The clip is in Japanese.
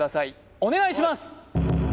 お願いします